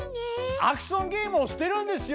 アクションゲームをしてるんですよ！